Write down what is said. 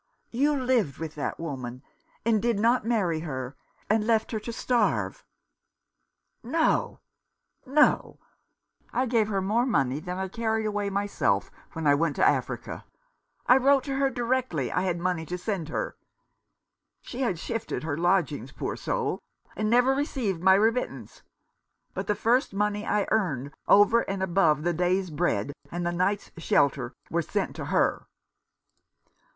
You lived with that woman, and did not marry her, and left her to starve." " No, no ; I gave her more money than I carried away myself when I went to Africa. I wrote to 161 M Rough Justice. her directly I had money to send her. She had shifted her lodgings, poor soul, and never received my remittance ; but the first money I earned over and above the day's bread and the night's shelter was sent to her."